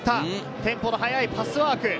テンポの速いパスワーク。